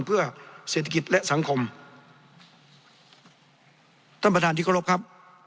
เพื่อเศรษฐกิจและสังคมท่านประธานที่เคารพครับ